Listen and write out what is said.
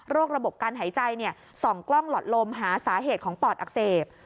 ระบบการหายใจส่องกล้องหลอดลมหาสาเหตุของปอดอักเสบ